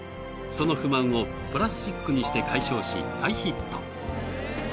その不満をプラスチックにして解消し大ヒット。